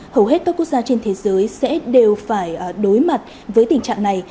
hầu hết các quốc gia trên thế giới sẽ đều phải đối mặt với tình trạng này